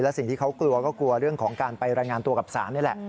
สิ่งที่เขากลัวก็กลัวเรื่องของการไปรายงานตัวกับศาลนี่แหละ